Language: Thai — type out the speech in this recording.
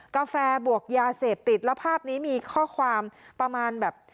กาแฟบวกยาเสพติดแล้วภาพนี้มีข้อความประมาณแบบ